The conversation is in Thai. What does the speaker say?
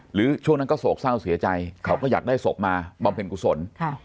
หรือช่วงนั้นก็โศกเศร้าเสียใจเขาก็มาได้ศพมาบอมแผ่นกุศล